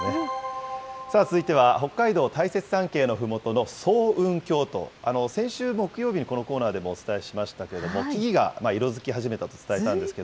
続いては、北海道大雪山系のふもとの層雲峡と、先週木曜日に、このコーナーでもお伝えしましたけども、木々が色づき始めたと伝えたんですけ